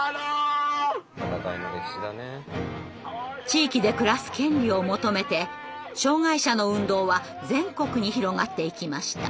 地域で暮らす権利を求めて障害者の運動は全国に広がっていきました。